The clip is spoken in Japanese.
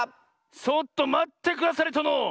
ちょっとまってくだされとの！